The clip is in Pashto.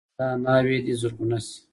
دا ناوې دې زرغونه شي.